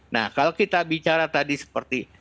nah kalau kita bicara tadi seperti